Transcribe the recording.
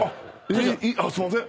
えっすいません。